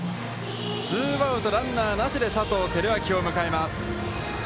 ツーアウト、ランナーなしで、佐藤輝明を迎えます。